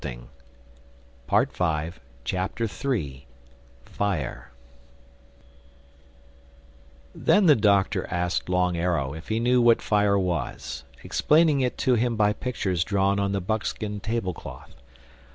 THE THIRD CHAPTER FIRE THEN the Doctor asked Long Arrow if he knew what fire was, explaining it to him by pictures drawn on the buckskin table cloth.